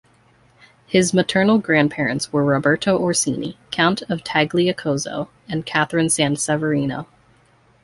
His maternal grandparents were Roberto Orsini, Count of Tagliacozzo and Catherine San Severino.